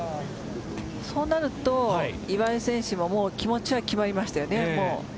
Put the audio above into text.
そうなると岩井選手も気持ちは決まりましたよね。